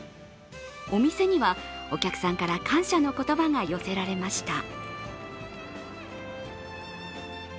お店には、お客さんから感謝の言葉が寄せられました。